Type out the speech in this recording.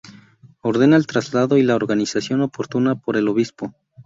Ordena el traslado y la organización oportuna por el Obispo.